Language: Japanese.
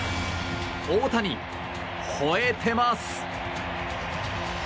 大谷、ほえてます！